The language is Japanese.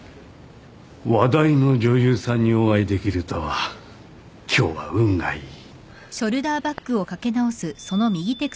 話題の女優さんにお会いできるとは今日は運がいい。